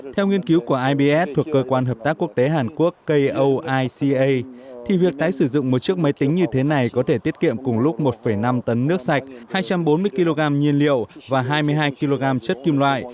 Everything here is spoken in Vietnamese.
theo nghiên cứu của ibs thuộc cơ quan hợp tác quốc tế hàn quốc koica thì việc tái sử dụng một chiếc máy tính như thế này có thể tiết kiệm cùng lúc một năm tấn nước sạch hai trăm bốn mươi kg nhiên liệu và hai mươi hai kg chất kim loại